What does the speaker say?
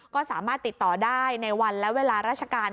ก็สามารถติดต่อได้ในวันและเวลาราชการ